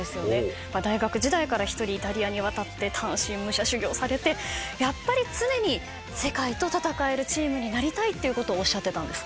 大学時代から１人イタリアに渡って単身武者修行されてやっぱり常に世界と戦えるチームになりたいとおっしゃってたんです。